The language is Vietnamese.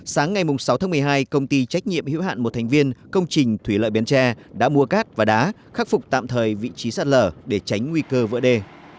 sáng ngày sáu tháng một mươi hai công ty trách nhiệm hữu hạn một thành viên công trình thủy lợi bến tre đã mua cát và đá khắc phục tạm thời vị trí sạt lở để tránh nguy cơ vỡ đê